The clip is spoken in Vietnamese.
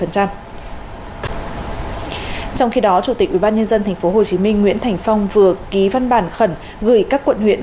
trong khi đó chủ tịch ubnd tp hcm nguyễn thành phong vừa ký văn bản khẩn gửi các quận huyện